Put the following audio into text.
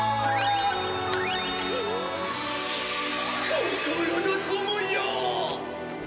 心の友よ！